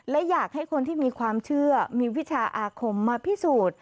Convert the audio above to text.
และอยากให้คนที่มีความเชื่อมีวิชาอาคมมาพิสูจน์